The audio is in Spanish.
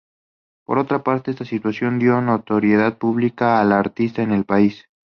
Por otra parte, esta situación dio notoriedad pública a la artista en el país.